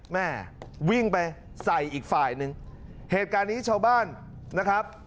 แม่วิ่งไปใส่อีกฝ่ายหนึ่งเหตุการณ์นี้ชาวบ้านนะครับ